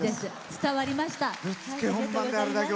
伝わりました。